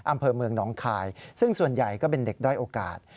อำเภอเมืองหนองคายซึ่งส่วนใหญ่ก็เป็นเด็กด้อยโอกาส